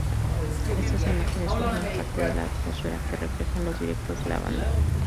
Estas imágenes forman parte de la atmósfera que reflejan los directos de la banda.